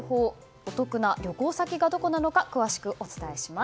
お得な旅行先がどこか詳しくお伝えします。